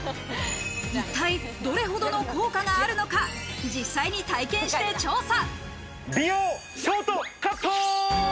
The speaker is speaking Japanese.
一体、どれほどの効果があるのか、実際に体験して調査。